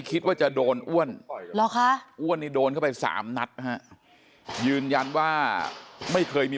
คิดว่าจะโดนอ้วนอ้วนนี่โดนเข้าไปสามนัดฮะยืนยันว่าไม่เคยมี